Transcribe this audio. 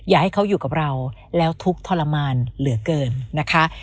อยากให้เขาอยู่กับเราแล้วทุกข์ทรมานเหลือเกินนะคะ